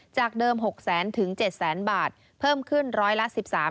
จากเดิม๖๐๐๐๐๐ถึง๗๐๐๐๐๐บาทเพิ่มขึ้นร้อยละ๑๓๐๙